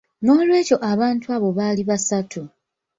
N'olwekyo abantu abo baali basatu.